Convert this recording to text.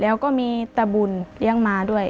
แล้วก็มีตะบุญเลี้ยงมาด้วย